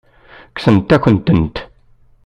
Kksent-akent-tent.